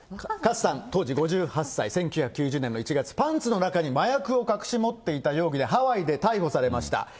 勝さん、当時５８歳、１９９０年の１月、パンツの中に麻薬を隠し持っていた容疑で、ハワイで逮捕されました。